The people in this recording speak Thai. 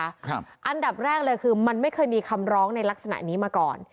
อันดับแรกเลยคือมันไม่เคยมีคำร้องในลักษณะนี้มาก่อน